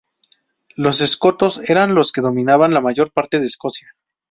Los escotos eran los que dominaban la mayor parte de Escocia.